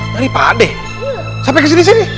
nyari pade iya sampai kesini sini